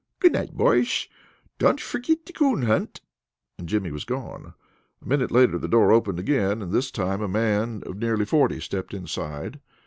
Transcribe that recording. Good night, boysh. Don't forgetsh the coon hunt," and Jimmy was gone. A minute later the door opened again, and this time a man of nearly forty stepped inside.